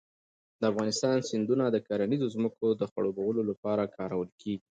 د افغانستان سیندونه د کرنیزو ځمکو د خړوبولو لپاره کارول کېږي.